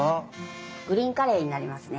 グリーンカレーになりますね。